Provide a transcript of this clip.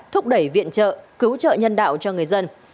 thúc đẩy viện trợ cứu trợ nhân đạo cho người dân